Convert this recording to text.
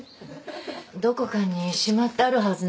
どこかにしまってあるはずなんだけど。